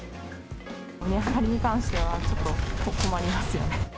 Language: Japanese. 値上がりに関しては、ちょっと困りますよね。